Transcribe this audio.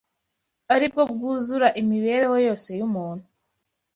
aribwo bwuzura imibereho yose y’umuntu